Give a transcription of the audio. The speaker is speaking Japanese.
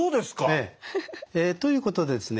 ええ。ということでですね